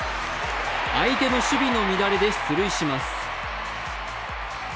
相手の守備の乱れで出塁します。